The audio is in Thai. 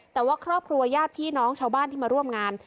แต่ว่าครอบครัวญาติพี่น้องชาวบ้านที่มาร่วมงาน